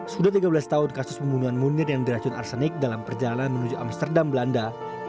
sudah tiga belas tahun kasus pembunuhan munir yang diracun arsenik dalam perjalanan menuju amsterdam belanda